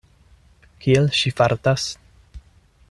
Kiel ŝi fartas?